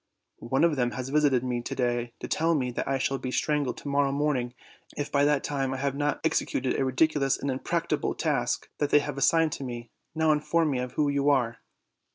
One of them has visited me to day to tell me that I shall be strangled to morrow morning if by that time I have not executed a ridiculous and impracticable task that they have assigned to me; now inform me who you are."